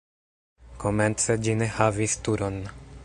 Komence ĝi ne havis turon.